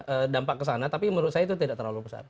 ada dampak kesana tapi menurut saya itu tidak terlalu besar